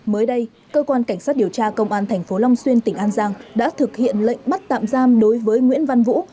mới đây cơ quan cảnh sát điều tra công an tp long xuyên tỉnh an giang đã thực hiện lệnh bắt tạm giam đối với nguyễn văn vũ